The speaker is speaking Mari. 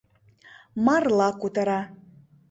Марла кутыра.